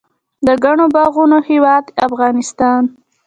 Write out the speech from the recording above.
د ګڼو باغونو هیواد افغانستان.